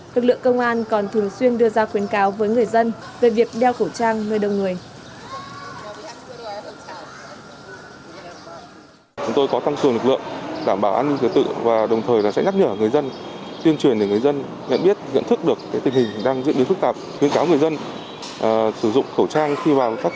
lực lượng công an còn thường xuyên đưa ra khuyến cáo với người dân về việc đeo khẩu trang nơi đông người